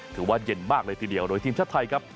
ว่าเย็นมากเลยทีเดียวโดยทีมชาติไทยครับ